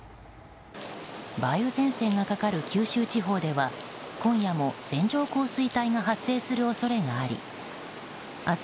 梅雨前線がかかる九州地方では今夜も線状降水帯が発生する恐れがあり明日